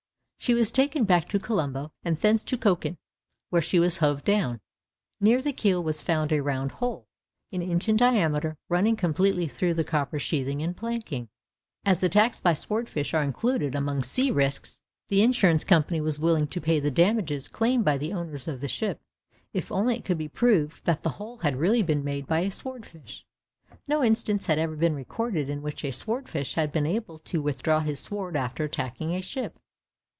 She was taken back to Colombo, and thence to Cochin, where she was hove down. Near the keel was found a round hole, an inch in diameter, running completely through the copper sheathing and planking. As attacks by sword fish are included among sea risks, the insurance company was willing to pay the damages claimed by the owners of the ship, if only it could be proved that the hole had really been made by a sword fish. No instance had ever been recorded in which a sword fish had been able to withdraw his sword after attacking a ship.